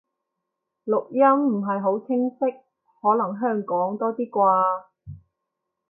錄音唔係好清晰，可能香港多啲啩